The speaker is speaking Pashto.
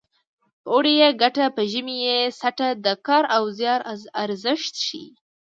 په اوړي یې ګټه په ژمي یې څټه د کار او زیار ارزښت ښيي